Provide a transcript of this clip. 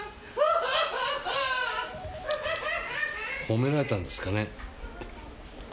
ほめられたんですかね？